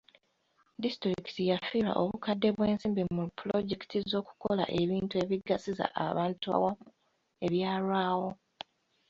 Disitulikiti yafiirwa obukadde bw'ensimbi mu pulojekiti z'okukola ebintu ebigasiza abantu awamu ebyalwawo.